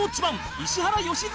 石原良純